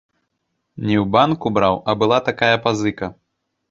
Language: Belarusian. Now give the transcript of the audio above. Не ў банку браў, а была такая пазыка.